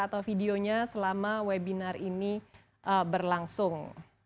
atau videonya selama webinar ini berlangsung